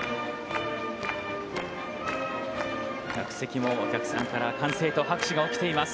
客席もお客さんから歓声と拍手が起きています。